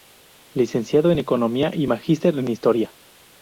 Licenciado en Economía y Magíster en Historia.